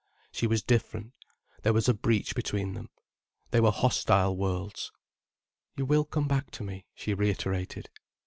She was different—there was a breach between them. They were hostile worlds. "You will come back to me?" she reiterated.